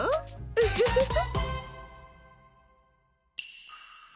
ウフフフ。